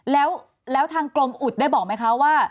แล้วทางกรมอุดได้บอกไหมคะว่า